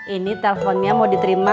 ini telponnya mau diterima